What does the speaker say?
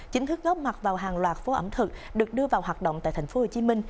chính thức góp mặt vào hàng loạt phố ẩm thực được đưa vào hoạt động tại tp hcm